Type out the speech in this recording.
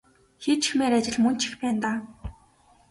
Хийчихмээр ажил мөн ч их байна даа.